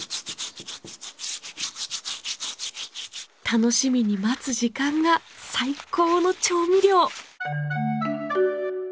楽しみに待つ時間が最高の調味料。